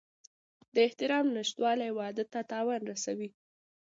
د احترام نشتوالی واده ته تاوان رسوي.